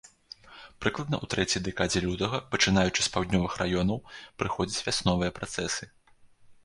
Прыкладна ў трэцяй дэкадзе лютага, пачынаючы з паўднёвых раёнаў, прыходзяць вясновыя працэсы.